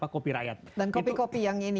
kopi rakyat dan kopi kopi yang ini